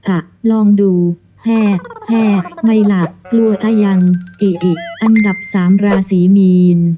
อ่ะลองดูแพร่แพทย์ไม่หลับกลัวตายังอิอิอันดับสามราศีมีน